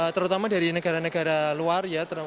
terutama dari negara negara luar ya